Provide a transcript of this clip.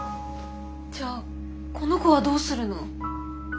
じゃあこの子はどうするの？